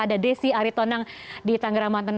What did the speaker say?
ada desi aritonang di tangerang banten